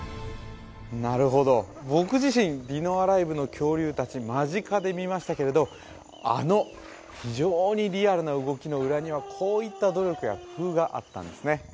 なるほど僕自身ディノアライブの恐竜達間近で見ましたけれどあの非常にリアルな動きの裏にはこういった努力や工夫があったんですね